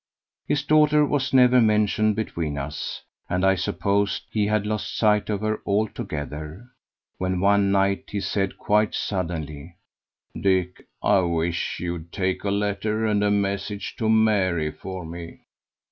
His daughter was never mentioned between us, and I supposed he had lost sight of her altogether, when, one night, he said quite suddenly: "Dick, I wish you'd take a letter and a message to Mary for me."